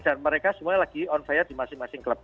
dan mereka semua lagi on fire di masing masing klub